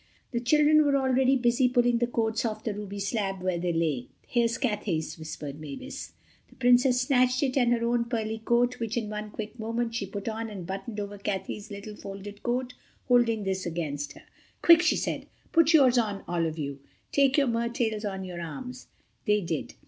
The children were already busy pulling the coats off the ruby slab where they lay. "Here's Cathay's," whispered Mavis. The Princess snatched it and her own pearly coat which, in one quick movement, she put on and buttoned over Cathay's little folded coat, holding this against her. "Quick," she said, "put yours on, all of you. Take your mer tails on your arms." They did.